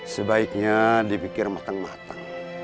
sebaiknya dipikir matang matang